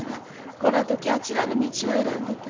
この時あちらの道を選んでたら。